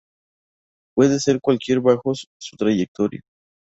Puede ser cualquiera bajo su trayectoria.